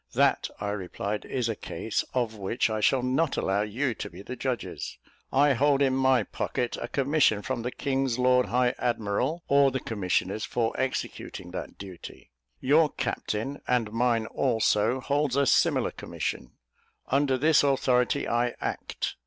"That," I replied, "is a case of which I shall not allow you to be the judges. I hold in my pocket a commission from the King's Lord High Admiral, or the commissioners for executing that duty. Your captain, and mine also, holds a similar commission. Under this authority I act.